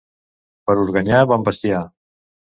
Per Organyà, bon bestiar.